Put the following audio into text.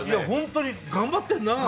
本当に、頑張ってんな。